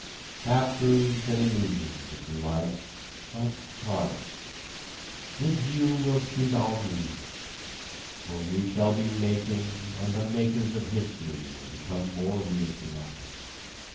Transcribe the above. Half truths and illusions, if you like, but tonic. This view will suit our mood. For we shall be making and the makers of history will become more real to us.